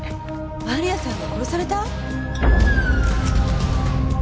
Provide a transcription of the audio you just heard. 万里亜さんが殺された！？